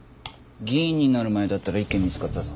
議員になる前だったら１件見つかったぞ。